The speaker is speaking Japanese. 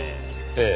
ええ。